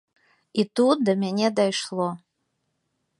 І тут да мяне дайшло.